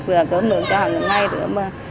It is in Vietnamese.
giọt rửa cơm nướng cho hàng ngày nữa mà